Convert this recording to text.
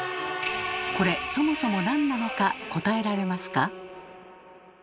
これそもそも何なのか答えられますか？